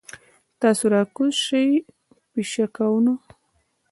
تاسې راکوز شئ پشکاوونه.